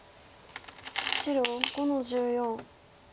白５の十四。